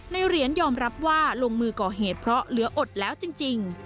เหรียญยอมรับว่าลงมือก่อเหตุเพราะเหลืออดแล้วจริง